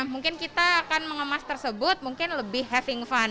mungkin kita akan mengemas tersebut mungkin lebih having fun